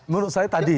menurut saya tadi